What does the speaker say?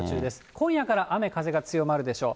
今夜から雨、風が強まるでしょう。